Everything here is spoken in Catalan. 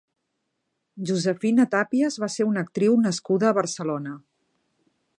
Josefina Tàpias va ser una actriu nascuda a Barcelona.